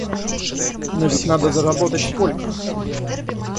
Но ведь надо заработать сколько!